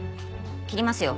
切りますよ。